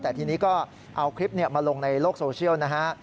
แต่ทีนี้ก็เอาคลิปมาลงในโลกโซเชียลนะฮะ